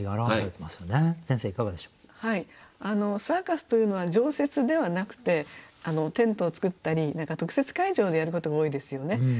サーカスというのは常設ではなくてテントを作ったり何か特設会場でやることが多いですよね。